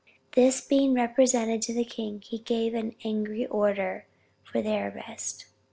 This being represented to the king, he gave an angry order for their arrest.